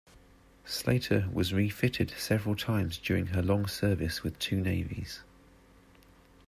"Slater" was refitted several times during her long service with two navies.